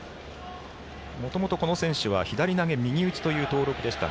もともと、この選手は左投げ、右打ちという登録でした。